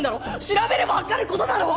調べればわかる事だろ！？